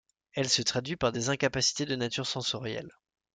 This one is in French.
Elle se traduit par des incapacités de nature sensorielle.